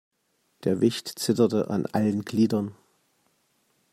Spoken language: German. Der Wicht zitterte an allen Gliedern.